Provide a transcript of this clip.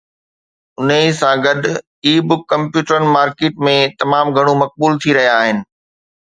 انهي سان گڏ، اي بک ڪمپيوٽرن مارڪيٽ ۾ تمام گهڻو مقبول ٿي رهيا آهن